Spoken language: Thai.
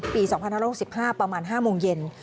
ปี๒๕๖๕ประมาณ๕โมงเย็น